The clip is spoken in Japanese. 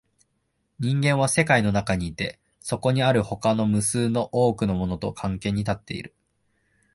人間は世界の中にいて、そこにある他の無数の多くのものと関係に立っている。